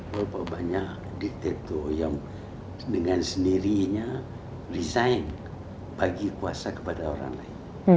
berapa banyak detail yang dengan sendirinya desain bagi kuasa kepada orang lain